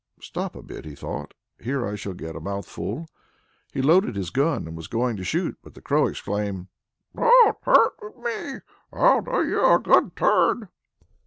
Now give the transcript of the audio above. "Stop a bit," he thought, "here I shall get a mouthful." He loaded his gun and was going to shoot, but the crow exclaimed, "Don't hurt me; I'll do you a good turn."